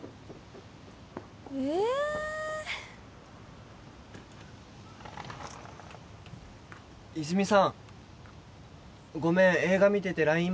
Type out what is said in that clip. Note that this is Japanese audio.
ええ泉さんごめん映画見ててＬＩＮＥ